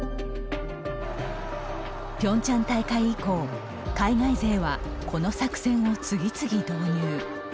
ピョンチャン大会以降海外勢は、この作戦を次々導入。